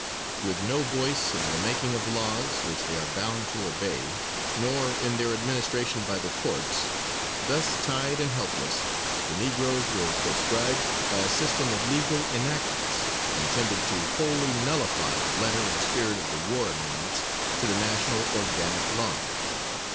With no voice in the making of the laws, which they are bound to obey, nor in their administration by the courts, thus tied and helpless, the negroes were proscribed by a system of legal enactments intended to wholly nullify the letter and spirit of the war amendments to the national organic law.